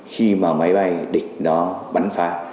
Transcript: khi mà máy bay địch nó bắn phá